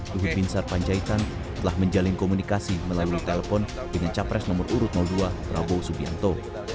luhut binsar panjaitan telah menjalin komunikasi melalui telepon dengan capres nomor urut dua prabowo subianto